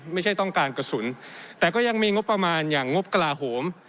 ไม่ใช่ต้องการกระสุนแต่ก็ยังมีงบประมาณอย่างงบกระลาโหม